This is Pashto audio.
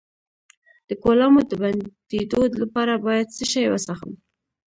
د کولمو د بندیدو لپاره باید څه شی وڅښم؟